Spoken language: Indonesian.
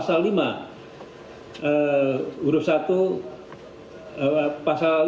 pasal lima ayat satu huruf a atau pasal tujuh